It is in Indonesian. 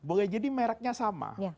boleh jadi mereknya sama